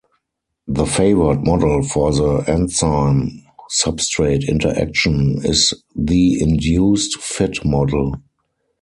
The favoured model for the enzyme-substrate interaction is the induced fit model.